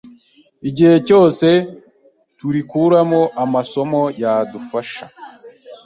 igihe cyose turikuramo amasomo yadufasha